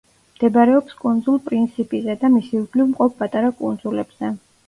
მდებარეობს კუნძულ პრინსიპიზე და მის ირგვლივ მყოფ პატარა კუნძულებზე.